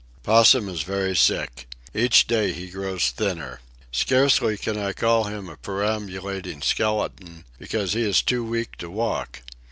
Possum is very sick. Each day he grows thinner. Scarcely can I call him a perambulating skeleton, because he is too weak to walk.